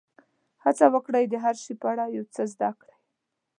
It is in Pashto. هڅه وکړئ د هر شي په اړه یو څه زده کړئ.